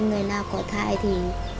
người nào có thai thì